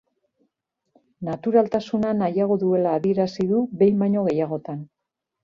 Naturaltasuna nahiago duela adierazi du behin baino gehiagotan.